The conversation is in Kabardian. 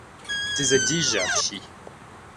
Дызэдижьэ апщий!